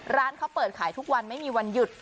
ร้านเขาเปิดขายทุกวันไม่มีวันหยุด